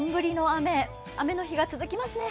雨の日が続きますね。